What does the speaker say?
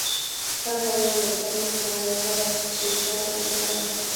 هغه وویل: زه ریښتیا وایم، هغه سټریسا ته ولاړه.